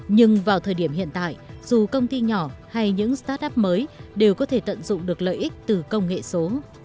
nhưng vào thời điểm hiện tại dù công ty nhỏ hay những start up mới đều có thể tận dụng được lợi ích từ công nghệ số